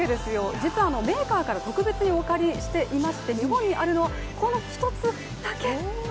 実はメーカーから特別にお借りしていまして、日本にあるのはこの１つだけ。